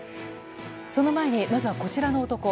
その前にまずは、こちらの男。